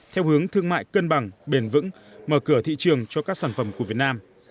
theo hướng thương mại cân bằng bền vững mở cửa thị trường cho các sản phẩm của việt nam